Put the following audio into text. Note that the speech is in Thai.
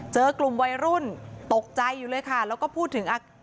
เจอกลุ่มวัยรุ่นตกใจอยู่เลยค่ะแล้วก็พูดถึงอ่ะ